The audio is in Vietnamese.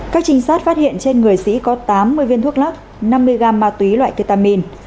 các trinh sát phát hiện trên người sĩ có tám mươi viên thuốc lắc năm mươi gram ma túy loại ketamin